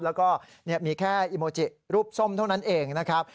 แล้วก็มีแค่อิโมจิรูปส้มเท่านั้นเองนะครับ